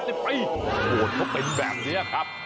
โบรตก็เป็นแบบนี้ครับ